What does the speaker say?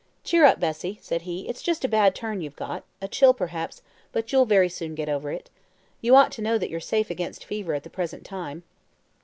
Cheer up, Bessie,' said he, 'it's just a bad turn you've got a chill, perhaps, but you'll very soon get over it. You ought to know that you're safe against fever at the present time.'